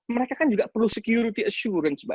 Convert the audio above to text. mereka kan juga perlu security assurance